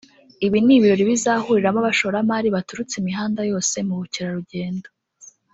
Ibi ni ibirori bizahuriramo abashoramari baturutse imihanda yose mu bukerarugendo